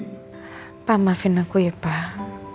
minta maafin aku ya pak